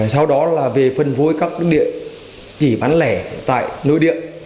sau đó là về phân vối các nước địa chỉ bán lẻ tại nội địa